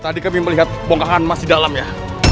tadi kami melihat bongkangan emas di dalam ya